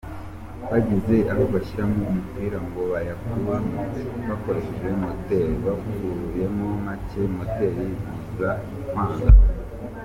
Bageze aho bashyiramo umupira ngo bayakuremo bakoresheje moteri, bakuruyemo make moteri iza kwanga.